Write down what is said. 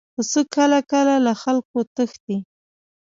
پسه کله کله له خلکو تښتي.